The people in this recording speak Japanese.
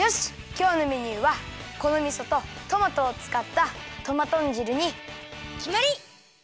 きょうのメニューはこのみそとトマトをつかったトマとんじるにきまり！